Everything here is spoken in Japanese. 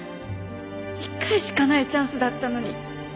一回しかないチャンスだったのに。